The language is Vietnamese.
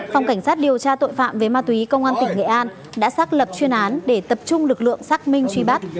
phòng cảnh sát điều tra tội phạm về ma túy công an tỉnh nghệ an đã xác lập chuyên án để tập trung lực lượng xác minh truy bắt